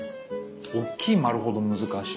おっきい丸ほど難しい。